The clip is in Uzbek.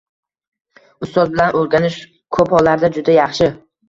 Ustoz bilan o’rganish ko’p hollarda juda yaxshi